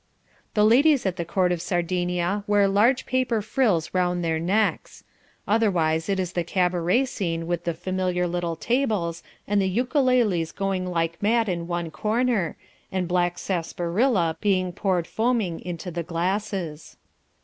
The ladies at the court of Sardinia wear huge paper frills round their necks. Otherwise it is the cabaret scene with the familiar little tables, and the ukaleles going like mad in one corner, and black sarsaparilla being poured foaming into the glasses.